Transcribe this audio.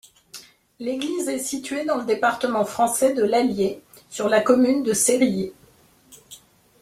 L'église est située dans le département français de l'Allier, sur la commune de Cérilly.